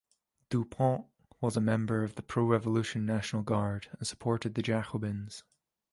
Du Pont was a member of the pro-Revolution national guard and supported the Jacobins.